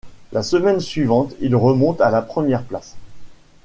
La semaine suivante, il remonte à la première place.